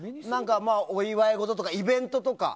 お祝い事とかイベントとか。